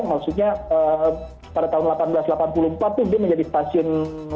maksudnya pada tahun seribu delapan ratus delapan puluh empat itu dia menjadi stasiun